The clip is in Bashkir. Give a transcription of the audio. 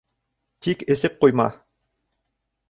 Тик эсеп ҡуйма.